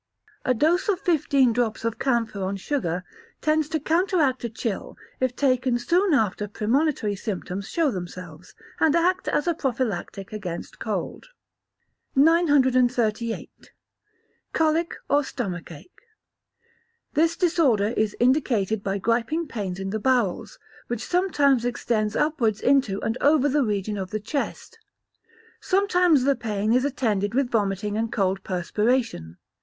A dose of fifteen drops of camphor on sugar tends to counteract a chill if taken soon after premonitory symptoms show themselves, and act as a prophylactic against cold. 939. Colic or Stomach Ache. This disorder is indicated by griping pains in the bowels, which sometimes extends upwards into and over the region of the chest. Sometimes the pain is attended with vomiting and cold perspiration.